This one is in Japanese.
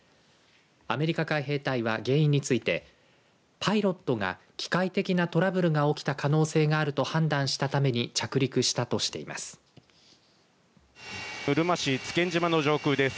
アメリカ海兵隊は原因についてパイロットが機械的なトラブルが起きた可能性があると判断したために着陸したとしています。